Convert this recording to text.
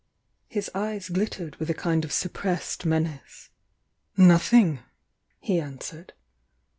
His eyes glittered with a kind of suppressed men ace. "Nothing!" he answered.